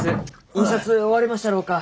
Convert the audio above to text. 印刷終わりましたろうか？